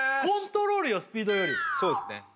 コントロールよスピードよりそうですね